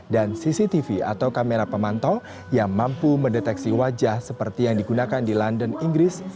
cctv atau kamera pemantau yang mampu mendeteksi wajah seperti yang digunakan di london inggris